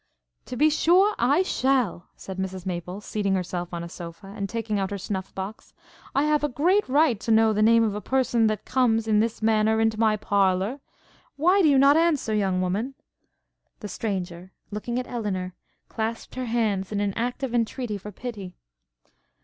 'To be sure I shall!' said Mrs Maple, seating herself on a sofa, and taking out her snuff box. 'I have a great right to know the name of a person that comes, in this manner, into my parlour. Why do you not answer, young woman?' The stranger, looking at Elinor, clasped her hands in act of entreaty for pity.